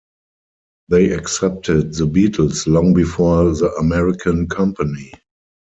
They accepted the Beatles long before the American company.